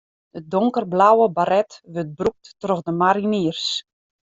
De donkerblauwe baret wurdt brûkt troch de mariniers.